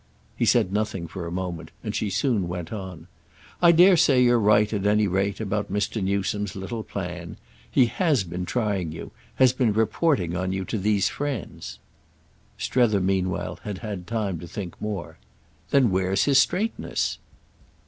He said nothing for a moment, and she soon went on. "I dare say you're right, at any rate, about Mr. Newsome's little plan. He has been trying you—has been reporting on you to these friends." Strether meanwhile had had time to think more. "Then where's his straightness?"